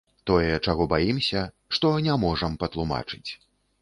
Тое, чаго баімся, што не можам патлумачыць.